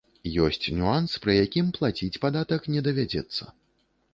Ёсць нюанс, пры якім плаціць падатак не давядзецца.